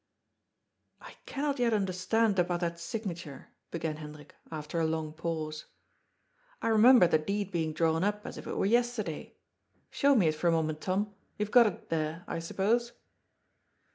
^' I cannot yet understand about that signature,^' began Hendrik, after a long pause. " I remember the deed being drawn up as if it were yesterday. Show me it for a moment, Tom. You have got it there, I suppose."